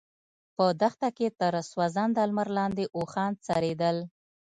په دښته کې تر سوځنده لمر لاندې اوښان څرېدل.